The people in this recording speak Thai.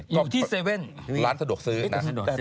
อยู่ที่เซเว่นร้านสะดวกซื้อนะ